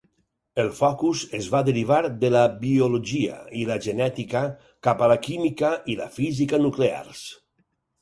El focus es va derivar de la biologia i la genètica cap a la química i la física nuclears.